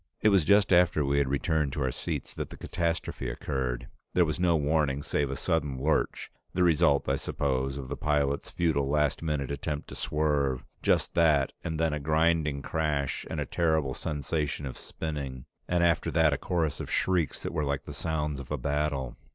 It was just after we had returned to our seats that the catastrophe occurred. There was no warning save a sudden lurch, the result, I suppose, of the pilot's futile last minute attempt to swerve just that and then a grinding crash and a terrible sensation of spinning, and after that a chorus of shrieks that were like the sounds of battle.